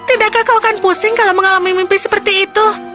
apakah kau tidak akan pusing jika mengalami mimpi seperti itu